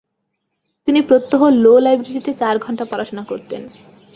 তিনি প্রত্যহ “লো” লাইব্রেরিতে চার ঘণ্টা পড়াশোনা করতেন।